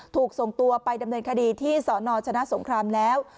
ถูกส่งตัวไปดำเนินคดีที่สนชนะสงครามแล้ว